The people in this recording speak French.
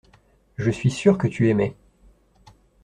Je suis sûr que tu aimais.